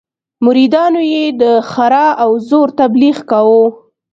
مریدانو یې د ښرا او زور تبليغ کاوه.